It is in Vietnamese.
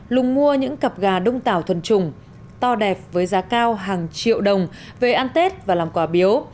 lùng mua những cặp gà đông tảo thuần trùng to đẹp với giá cao hàng triệu đồng về ăn tết và làm quả biếu